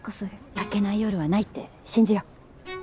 明けない夜はないって信じよう。